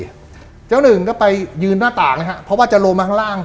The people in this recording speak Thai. เจ้าหนึ่งก็ไปยืนหน้าต่างนะฮะเพราะว่าจะลงมาข้างล่าง